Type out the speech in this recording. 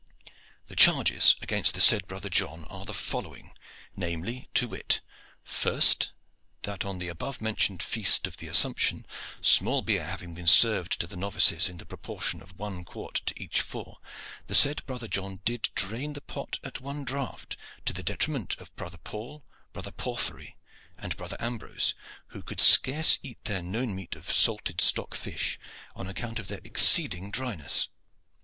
"The charges against the said brother John are the following, namely, to wit: "First, that on the above mentioned Feast of the Assumption, small beer having been served to the novices in the proportion of one quart to each four, the said brother John did drain the pot at one draught to the detriment of brother Paul, brother Porphyry and brother Ambrose, who could scarce eat their none meat of salted stock fish on account of their exceeding dryness."